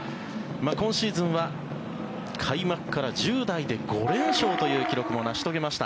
今シーズンは開幕から１０代で５連勝という記録も成し遂げました。